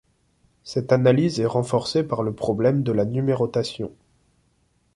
Cette analyse est renforcée par le problème de la numérotation.